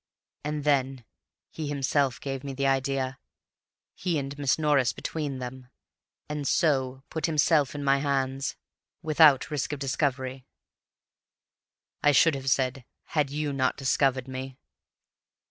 And then he himself gave me the idea, he and Miss Norris between them, and so put himself in my hands; without risk of discovery, I should have said, had you not discovered me.